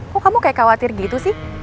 kok kamu kayak khawatir gitu sih